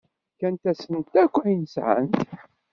Fkant-asen akk ayen sɛant.